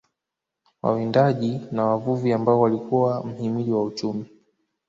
Wawindaji na wavuvi ambao walikuwa mhimili wa uchumi